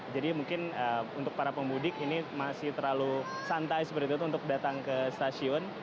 jadi mungkin untuk para pemudik ini masih terlalu santai seperti itu untuk datang ke stasiun